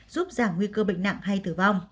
giúp giảm nguy cơ bệnh nặng hay tử vong